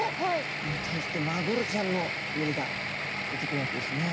ここに対してマグロちゃんの群れがやって来るわけですね。